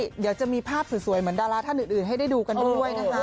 นี่เดี๋ยวจะมีภาพสวยเหมือนดาราท่านอื่นให้ดูกันด้วย